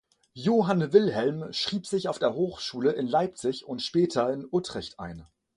Johann Wilhelm schrieb sich auf der Hochschule in Leipzig und später in Utrecht ein.